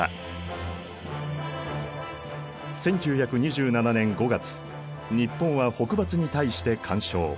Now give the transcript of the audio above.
１９２７年５月日本は北伐に対して干渉。